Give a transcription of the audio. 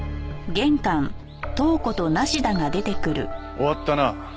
終わったな。